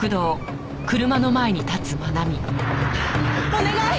お願い！